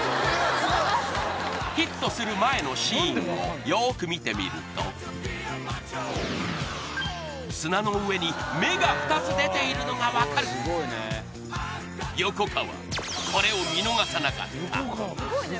ヒットする前のシーンをよーく見てみると砂の上に目が２つ出ているのが分かる横川